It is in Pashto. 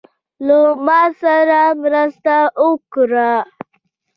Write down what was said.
له ماسره مرسته وکړه.